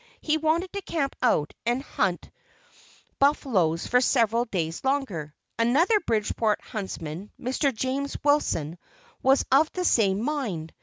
He wanted to camp out and hunt buffaloes for several days longer. Another Bridgeport huntsman, Mr. James Wilson, was of the same mind.